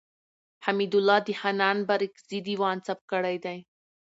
حمدالله د حنان بارکزي دېوان څاپ کړی دﺉ.